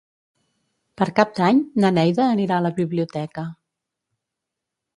Per Cap d'Any na Neida anirà a la biblioteca.